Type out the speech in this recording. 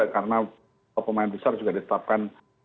karena pemain besar juga ditetapkan